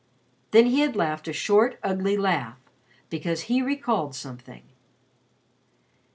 Then he had laughed a short ugly laugh because he recalled something.